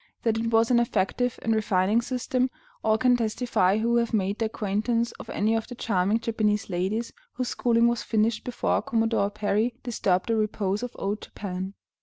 That it was an effective and refining system, all can testify who have made the acquaintance of any of the charming Japanese ladies whose schooling was finished before Commodore Perry disturbed the repose of old Japan.